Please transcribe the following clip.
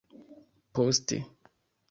poste